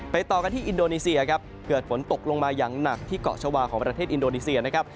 ต่อกันที่อินโดนีเซียครับเกิดฝนตกลงมาอย่างหนักที่เกาะชาวาของประเทศอินโดนีเซียนะครับ